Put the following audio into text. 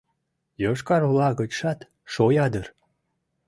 Йошкар-Ола гычшат — шоя дыр...